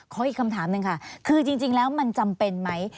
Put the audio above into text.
อีกคำถามหนึ่งค่ะคือจริงแล้วมันจำเป็นไหม